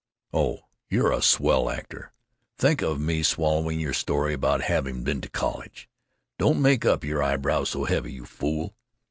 Oh, you're a swell actor! Think of me swallering your story about having been t' college!... Don't make up your eyebrows so heavy, you fool....